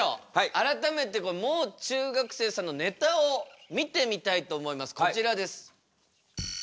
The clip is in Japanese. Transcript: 改めてもう中学生さんのネタを見てみたいと思いますこちらです。